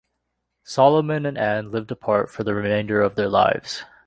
Solomon and Ann lived apart for the remainder of their lives.